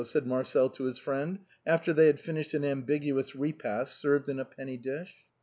" said Marcel to his friend, after they had finished an ambiguous repast served in a penny dish.